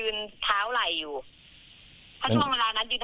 พูดหยาบเลยบเจ้ามึงเป็นอะไรอย่างเนี้ย